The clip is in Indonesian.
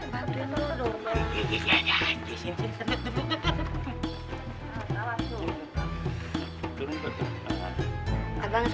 bantuin roh dong bang